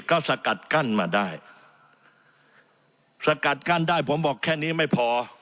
ก็สกัดกั้นมาได้สกัดกั้นได้ผมบอกแค่นี้ไม่พอ